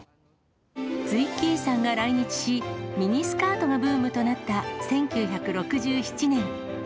ツイッギーさんが来日し、ミニスカートがブームとなった１９６７年。